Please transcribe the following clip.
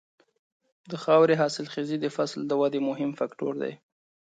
د خاورې حاصلخېزي د فصل د ودې مهم فکتور دی.